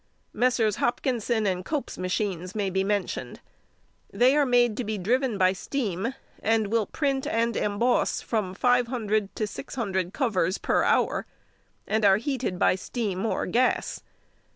Messrs. Hopkinson and Cope's machines may be mentioned. They are made to be driven by steam, and will print and emboss from 500 to 600 covers per |151| hour, and are heated by steam or gas.